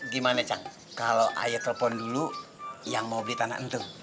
gimana cak kalau ayah telepon dulu yang mau beli tanah entung